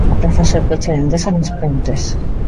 Aprázase o peche de Endesa nas Pontes.